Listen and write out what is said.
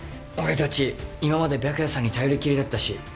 俺たち今まで白夜さんに頼りっきりだったし